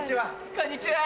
こんにちは！